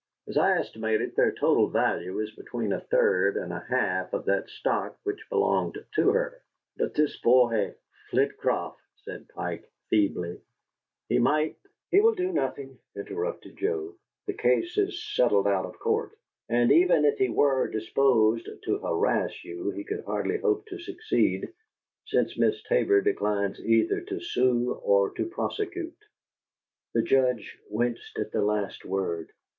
As I estimate it, their total value is between a third and a half of that of the stock which belonged to her." "But this boy this Flitcroft," said Pike, feebly; "he might " "He will do nothing," interrupted Joe. "The case is 'settled out of court,' and even if he were disposed to harass you, he could hardly hope to succeed, since Miss Tabor declines either to sue or to prosecute." The Judge winced at the last word.